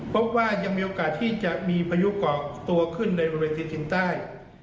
พบว่ายังมีโอกาสที่จะมีพายุเกาะตัวขึ้นในบริเวณจีนใต้